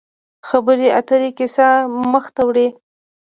خبرې اترې کیسه مخ ته وړي.